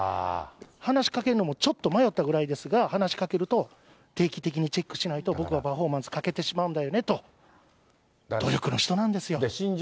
話しかけるのもちょっと迷ったぐらいですが、話しかけると、定期的にチェックしないと、僕はパフォーマンス欠けてしまうんだ新庄